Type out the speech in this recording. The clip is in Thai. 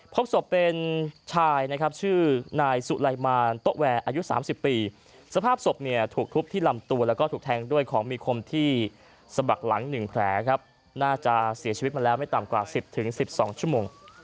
พบสบเป็นชายชื่อนายสุลัยมารโต๊ะแวอายุ๓๐ปีสภาพสบถูกทุบที่ลำตัวและถูกแทงด้วยของมีคมที่สะบักหลังหนึ่งแผลน่าจะเสียชีวิตมาแล้วไม่ต่ำกว่า๑๐๑๒ชั่วโมง